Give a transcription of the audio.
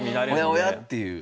おやおやっていう。